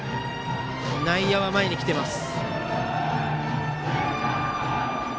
内野は前へ来ています。